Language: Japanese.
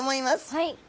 はい。